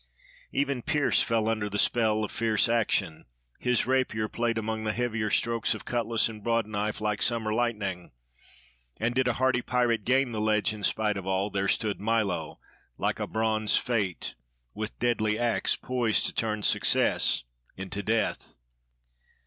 Even Pearse fell under the spell of fierce action; his rapier played among the heavier strokes of cutlas and broad knife like summer lightning. And did a hardy pirate gain the ledge in spite of all, there stood Milo, like a bronze Fate, with deadly ax poised to turn success into death.